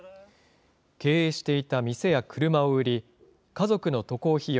経営していた店や車を売り、家族の渡航費用